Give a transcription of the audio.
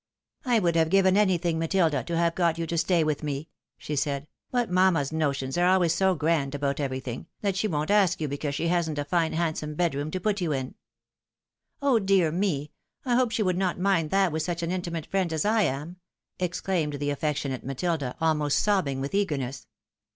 " I would hare given anything, Matilda, to have got yon to stay with me," she said, " but mamma's notions are always so grand about everything, that she won't ask you because she hasn't a fine handsome bedroom to put you in." " Oh, dear me! I hope she would not mind that with such an intimate friend as I am !" exclaimed the affectionate Matilda, almost sobbing with eagerness.